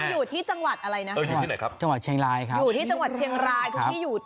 นี่แหมตามข้ามนี้เลย